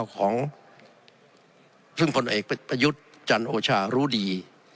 ของซึ่งผลเอกประยุทธ์จันโอชารู้ดี